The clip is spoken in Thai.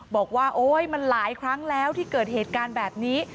บอกว่าโอ๊ยมันหลายครั้งแล้วที่เกิดเหตุการณ์แบบนี้